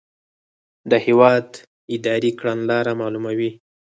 د هیواد اداري کړنلاره معلوموي.